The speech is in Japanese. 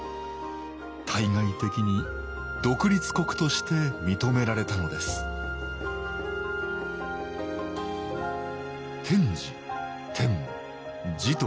対外的に独立国として認められたのです天智天武持統。